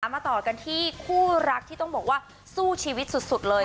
มาต่อกันที่คู่รักที่ต้องบอกว่าสู้ชีวิตสุดเลย